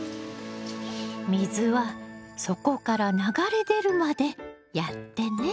水は底から流れ出るまでやってね。